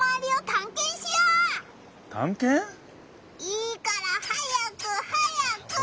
いいから早く早く！